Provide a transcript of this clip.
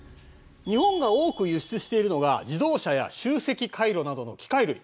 日本が多く輸出しているのが自動車や集積回路などの機械類。